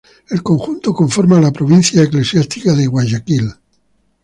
El conjunto conforma la provincia eclesiástica de Guayaquil.